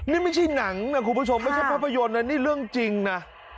นี่ไม่ใช่หนังนะคุณผู้ชมไม่ใช่ภาพยนตร์นะนี่เรื่องจริงนะ